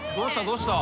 どうした？